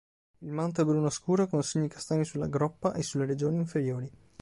Il manto è bruno scuro con segni castani sulla groppa e sulle regioni inferiori.